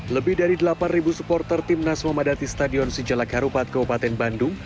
lebih dari delapan supporter timnas memadati stadion sejalak harupat kabupaten bandung